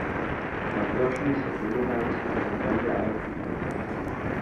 O actor suízo Bruno Ganz no papel de Adolf Hitler.